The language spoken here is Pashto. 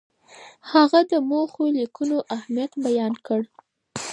هغه د موخو لیکلو اهمیت بیان کړ.